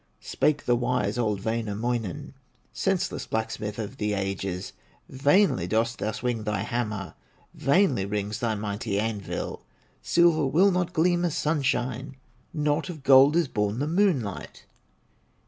Spake the wise, old Wainamoinen: "Senseless blacksmith of the ages, Vainly dost thou swing thy hammer, Vainly rings thy mighty anvil; Silver will not gleam as sunshine, Not of gold is born the moonlight!"